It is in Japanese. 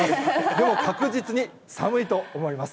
でも確実に寒いと思います。